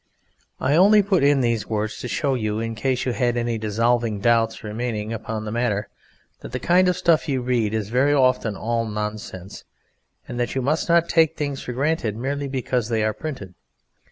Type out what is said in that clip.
I only put in these words to show you in case you had any dissolving doubts remaining upon the matter, that the kind of stuff you read is very often all nonsense, and that you must not take things for granted merely because they are printed.